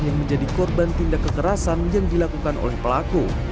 yang menjadi korban tindak kekerasan yang dilakukan oleh pelaku